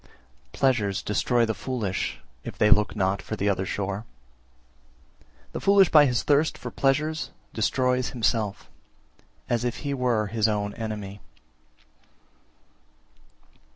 355. Pleasures destroy the foolish, if they look not for the other shore; the foolish by his thirst for pleasures destroys himself, as if he were his own enemy.